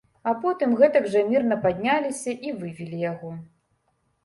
А потым гэтак жа мірна падняліся і вывелі яго.